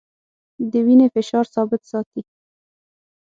د وینې فشار ثابت ساتي.